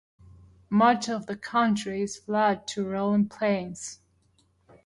Much of the county is flat to rolling plains.